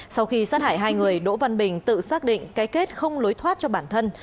sau khi sát hại hai người đỗ văn bình tự xác định cái kết không lối thoát cho bản thân